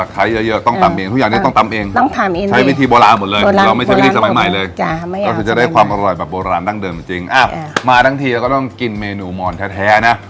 ก็จะได้ความอร่อยแบบโบราณจังเดิมจริงอ่ะมาทั้งทีก็ต้องกินเมนูมอนแท้นะ